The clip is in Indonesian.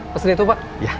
pesan itu pak